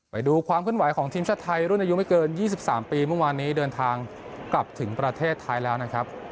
ไปดูความขึ้นไหวของทีมชาติไทยรุ่นอายุไม่เกิน๒๓ปีเมื่อวานนี้เดินทางกลับถึงประเทศไทยแล้วนะครับ